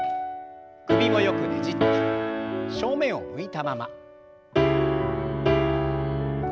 首もよくねじって正面を向いたまま。